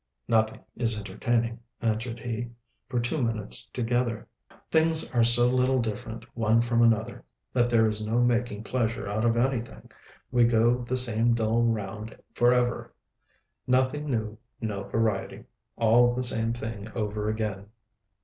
"Nothing is entertaining," answered he, "for two minutes together. Things are so little different one from another, that there is no making pleasure out of anything. We go the same dull round forever; nothing new, no variety! all the same thing over again!